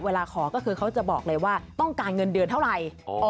เวลาขอก็คือเขาจะบอกเลยว่าต้องการเงินเดือนเท่าไหร่